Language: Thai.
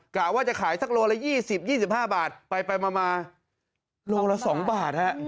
กะว่าจะขายสักโลละ๒๐๒๕บาทไปมาโลละ๒บาท